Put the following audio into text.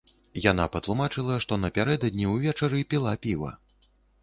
Яна патлумачыла, што напярэдадні ўвечары піла піва.